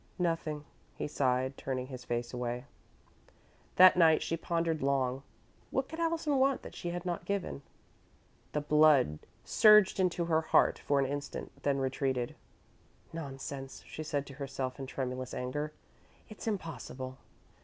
"Nothing," he sighed, turning his face away. That night she pondered long. What could Allison want that she had not given? The blood surged into her heart for an instant, then retreated. "Nonsense," she said to herself in tremulous anger. "It's impossible!"